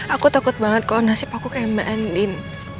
aku takut banget kalau nasib aku kayak mbak endin